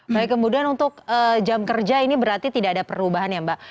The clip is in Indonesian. baik kemudian untuk jam kerja ini berarti tidak ada perubahan ya mbak